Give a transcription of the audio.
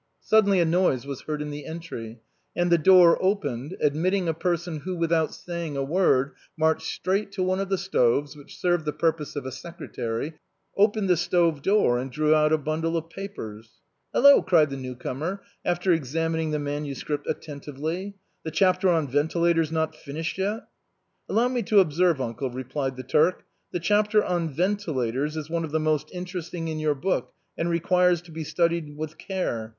Suddenly a noise was heard in the entry, and the door opened, admitting a person who, without saying a word, marched straight to one of the stoves, which served the pur pose of a secretary, opened the stove door, and drew out a bundle of papers. " Hello !" cried the new comer, after examining the manuscript attentively, " the chapter on ventilators not finished yet !"" Allow me to observe, uncle," replied the Turk, " the chapter on ventilators is one of the most interesting in your book, and requires to be studied with care.